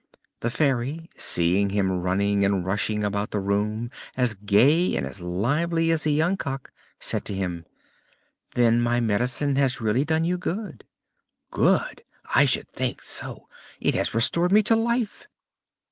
The Fairy, seeing him running and rushing about the room as gay and as lively as a young cock, said to him: "Then my medicine has really done you good?" "Good? I should think so! It has restored me to life!"